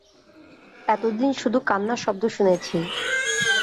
এতদিন শুধু কান্নার শব্দ শুনেছি।